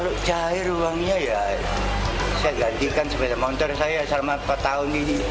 kalau cair uangnya ya saya gantikan sepeda motor saya selama empat tahun ini